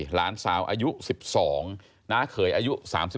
หลานสาวอายุ๑๒น้าเขยอายุ๓๒